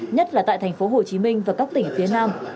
nhất là tại thành phố hồ chí minh và các tỉnh phía nam